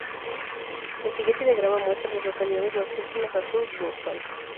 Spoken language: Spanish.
El siguiente diagrama muestra a las localidades más próximas a South Boston.